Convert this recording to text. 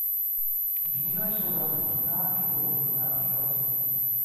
Vína jsou velmi vhodná ke dlouhodobé archivaci.